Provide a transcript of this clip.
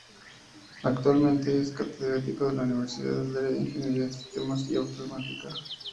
Actualmente es Catedrático de Universidad del área de Ingeniería de Sistemas y Automática.